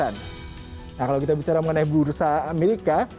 nah kalau kita bicara mengenai bursa amerika